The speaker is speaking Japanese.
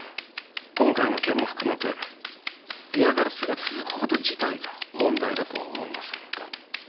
今回の件も含めて嫌がらせが続くこと自体が問題だとは思いませんか？